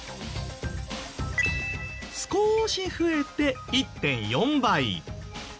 少し増えて１．４倍。